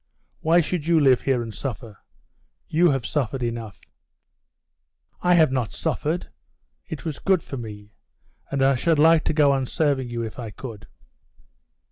"Why should you live here and suffer? You have suffered enough." "I have not suffered. It was good for me, and I should like to go on serving you if I could."